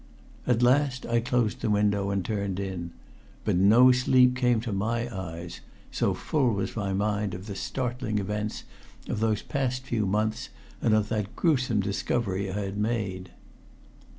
At last I closed the window and turned in, but no sleep came to my eyes, so full was my mind of the startling events of those past few months and of that gruesome discovery I had made.